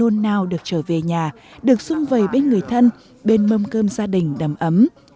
tết cổ truyền nào được trở về nhà được xuân về bên người thân bên mâm cơm gia đình đầm ấm